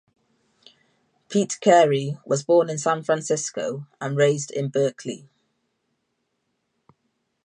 Pete Carey was born in San Francisco and raised in Berkeley.